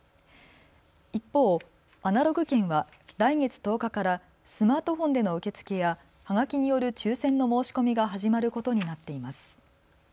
一方、アナログ券は来月１０日からスマートフォンでの受け付けやはがきによる抽せんの申し込みが始まることになっています。